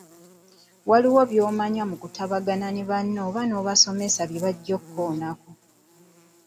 Waliwo by'omanya mu kutabagana ne banno oba n’abasomesa bye bajjanga bakoonako.